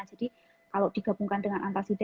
jadi kalau digabungkan dengan alka sida